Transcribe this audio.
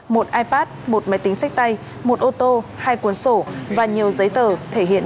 một ipad một máy tính sách tay một ô tô hai cuốn sổ và nhiều giấy tờ thể hiện